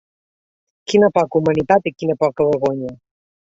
Quina poca humanitat i quina poca vergonya.